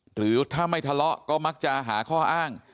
หรือถ้าไม่ทะเลาะก็มักจะหาข้ออ้าง